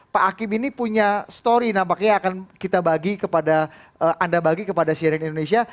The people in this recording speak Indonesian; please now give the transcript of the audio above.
pak hakim ini punya story nampaknya akan kita bagi kepada anda bagi kepada cnn indonesia